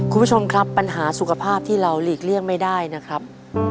คุณผู้ชมครับปัญหาสุขภาพที่เราหลีกเลี่ยงไม่ได้นะครับ